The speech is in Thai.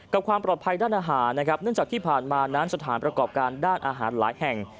กับความปลอดภัยด้านอาหารนะครับเนื่องจากที่ผ่านมานั้นสถานประกอบการด้านอาหารหลายแห่ง